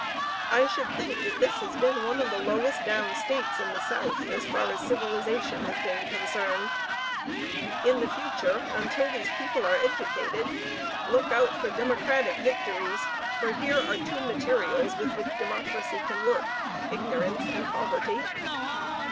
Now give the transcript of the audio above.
I should think that this has been one of the lowest down States in the South, as far as civilization has been concerned. In the future, until these people are educated, look out for Democratic victories, for here are two materials with which Democracy can work, ignorance and poverty.